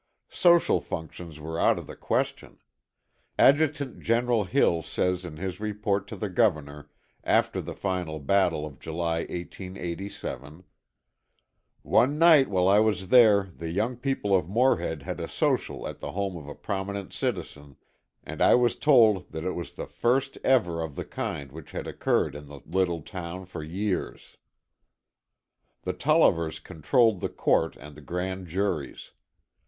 Social functions were out of the question. Adjutant General Hill says in his report to the Governor, after the final battle of July, 1887: "One night while I was there the young people of Morehead had a social at the home of a prominent citizen, and I was told that it was the first event of the kind which had occurred in the little town for years." The Tollivers controlled the court and the grand juries.